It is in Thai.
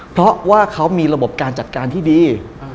เพราะว่าเขามีระบบการจัดการที่ดี